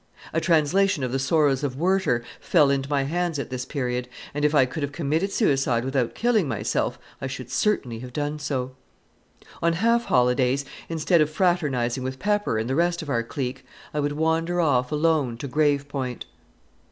A translation of The Sorrows of Werter fell into my hands at this period, and if I could have committed suicide without killing myself, I should certainly have done so. On half holidays, instead of fraternizing with Pepper and the rest of our clique, I would wander off alone to Grave Point.